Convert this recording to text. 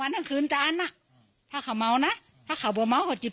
มันก็ขี้แห่ยขี้หายหอบหาได้